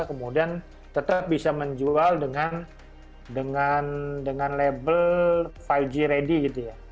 kemudian tetap bisa menjual dengan label lima g ready gitu ya